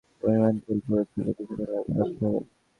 পরদিন সকালে অনেক বেশি পরিমাণ তেল পুরো চুলে কিছুক্ষণ লাগিয়ে রাখতে হবে।